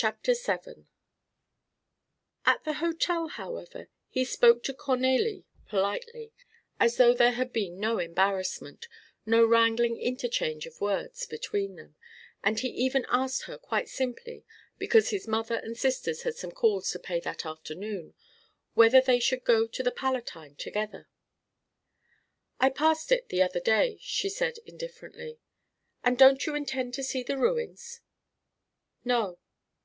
CHAPTER VII At the hotel, however, he spoke to Cornélie politely, as though there had been no embarrassment, no wrangling interchange of words between them, and he even asked her quite simply because his mother and sisters had some calls to pay that afternoon whether they should go to the Palatine together. "I passed it the other day," she said, indifferently. "And don't you intend to see the ruins?" "No."